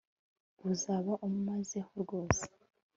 uzaba umazeho rwose